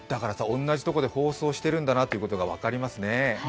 同じところで放送しているんだなということが分かりますね。